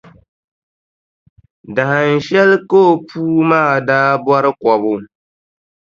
Dahinshɛli ka o puu maa daa bɔri kɔbu.